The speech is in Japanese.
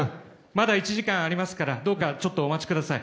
まだ１時間ありますからどうぞお待ちください。